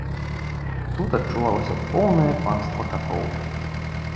Тут адчувалася поўнае панства катоў.